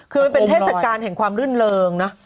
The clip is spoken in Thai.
คือมันเป็นเทศกาลแห่งความรื่นเริงนะ